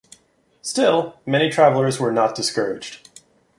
Still, many travelers were not discouraged.